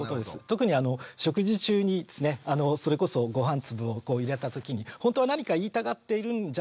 特に食事中にですねそれこそご飯粒を入れた時にほんとは何か言いたがっているんじゃないかなって。